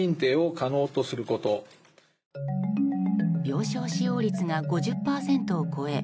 病床使用率が５０％を超え